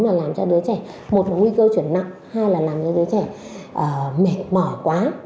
mà làm cho đứa trẻ một là nguy cơ chuyển nặng hai là làm cho đứa trẻ mệt mỏi quá